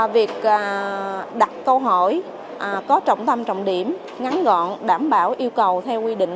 việc đặt câu hỏi có trọng tâm trọng điểm ngắn gọn đảm bảo yêu cầu theo quy định